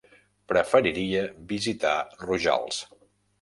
Preferiria visitar Rojals.